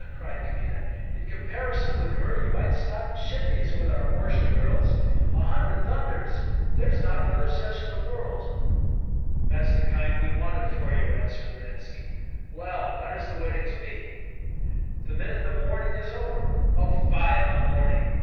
cried Kmita. "In comparison with her you might stop chimneys with our Orsha girls! A hundred thunders! there's not another such in the world." "That's the kind we wanted for you," answered Ranitski. "Well, when is the wedding to be?" "The minute the mourning is over." "Oh, fie on the mourning!